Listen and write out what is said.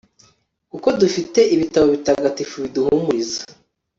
kuko dufite ibitabo bitagatifu biduhumuriza